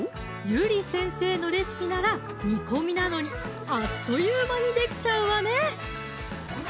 ゆり先生のレシピなら煮込みなのにあっという間にできちゃうわね！